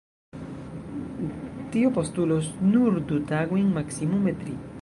Tio postulos nur du tagojn, maksimume tri.